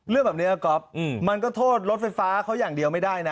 เรื่องแบบนี้ก๊อฟมันก็โทษรถไฟฟ้าเขาอย่างเดียวไม่ได้นะ